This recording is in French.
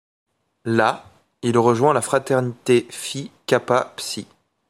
Là, il rejoint la fraternité Phi Kappa Psi.